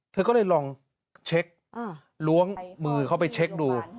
เธอก็เลยลองเช็คล้วงมือเข้าไปเช็คดู